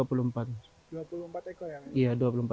dua puluh empat ekor yang ditemui